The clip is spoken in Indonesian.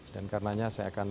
dan karenanya saya akan berharap